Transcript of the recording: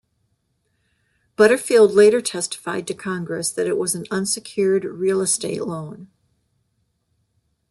Butterfield later testified to Congress that it was an unsecured real estate loan.